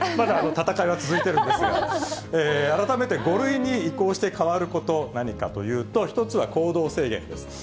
まだ闘いは続いてるんですが、改めて５類に移行して変わること、何かというと、一つは行動制限です。